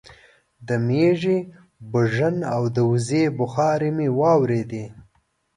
د مېږې برژن او د وزې بغارې مې واورېدې